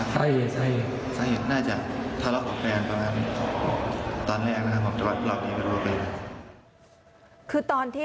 ตายแพ้แล้วนะ